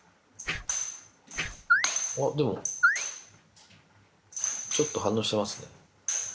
あっ、でも、ちょっと反応してますね。